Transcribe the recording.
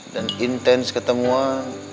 dan intens ketemuan